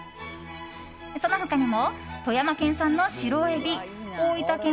その他にも富山県産の白エビ大分県